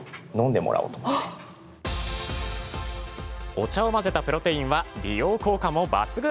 お茶を混ぜたプロテインは美容効果も抜群。